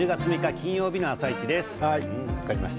金曜日の「あさイチ」です。